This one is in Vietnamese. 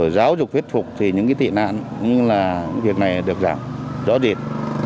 giáo dục viết phục thì những tị nạn những việc này được giảm rõ rệt